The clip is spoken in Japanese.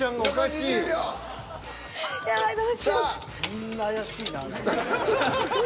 みんな怪しい。